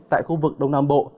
tại khu vực đông nam bộ